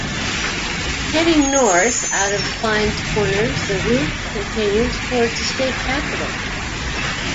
Heading north out of Clines Corners, the route continues towards the state capital.